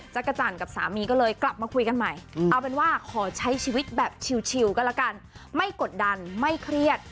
จักรจันทร์กับสามีก็เลยกลับมาคุยกันใหม่เอาเป็นว่าขอใช้ชีวิตแบบชิลก็แล้วกันไม่กดดันไม่เครียด